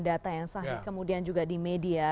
data yang sahih kemudian juga di media